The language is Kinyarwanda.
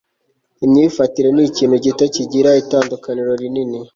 imyifatire ni ikintu gito kigira itandukaniro rinini